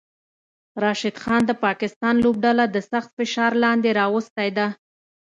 راشد خان د پاکستان لوبډله د سخت فشار لاندې راوستی ده